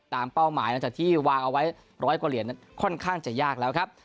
ตามเป้าหมายนะครับแต่ที่วางเอาไว้ร้อยกว่าเหรียญนั้นค่อนข้างจะยากแล้วครับ